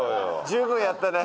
十分やったね。